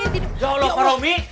ya allah pak romi